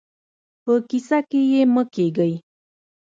په کيسه کې يې مه کېږئ.